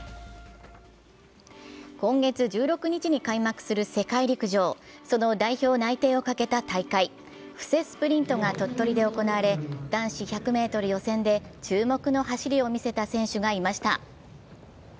今月１６日に開幕する世界陸上、その代表内定を懸けた大会布勢スプリントが鳥取で行われ男子１００ｍ予選で注目の走りを見せた選手がいました。